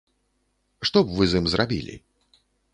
Што б вы з ім зрабілі?